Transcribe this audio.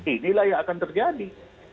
inilah yang akan terjadi